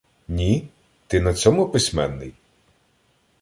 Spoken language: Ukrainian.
Ні? Ти на цьому письменний?